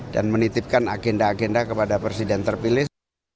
dan menitipkan agenda agenda kepada presiden terpilih